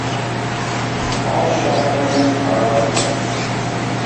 All shotguns are allowed.